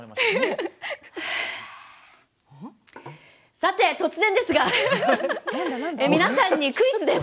さて突然ですが皆さんにクイズです。